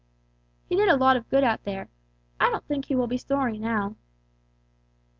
"He did a lot of good out there. I don't think he will be sorry now."